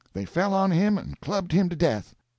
"They fell on him and clubbed him to death.